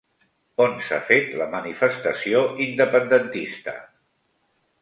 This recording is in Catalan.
On s'ha fet la manifestació independentista?